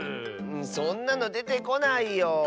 そんなのでてこないよ。